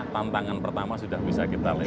tantangan pertama sudah bisa kita lihat